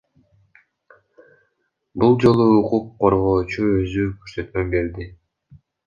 Бул жолу укук коргоочу өзү көрсөтмө берди.